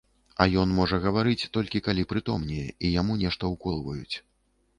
А ён можа гаварыць, толькі калі прытомнее і яму нешта ўколваюць.